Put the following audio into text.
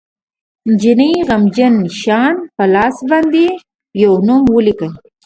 جینۍ غمجنه شان په لاس باندې یو نوم ولیکه